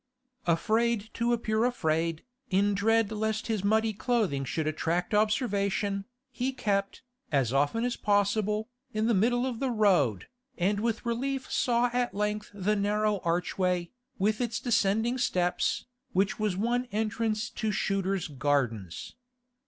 Afraid to appear afraid, in dread lest his muddy clothing should attract observation, he kept, as often as possible, the middle of the road, and with relief saw at length the narrow archway, with its descending steps, which was one entrance to Shooter's Gardens.